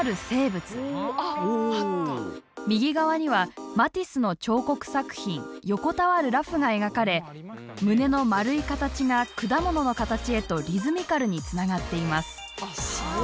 右側にはマティスの彫刻作品「横たわる裸婦」が描かれ胸の丸い形が果物の形へとリズミカルにつながっています。